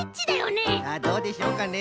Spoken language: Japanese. さあどうでしょうかね。